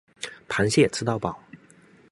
螃蟹吃到饱